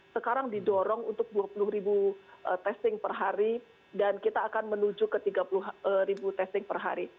sekarang didorong untuk dua puluh ribu testing per hari dan kita akan menuju ke tiga puluh ribu testing per hari